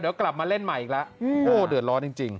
เดี๋ยวกลับมาเล่นใหม่อีกแล้วโอ้เดือดร้อนจริง